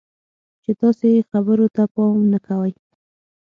چې تاسې یې خبرو ته پام نه کوئ.